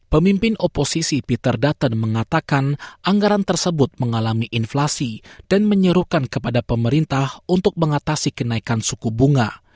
pemimpin oposisi peter dutton mengatakan anggaran tersebut mengalami inflasi dan menyerukan kepada pemerintah untuk mengatasi kenaikan suku bunga